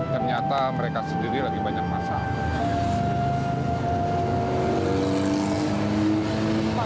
ternyata mereka sendiri lagi banyak masak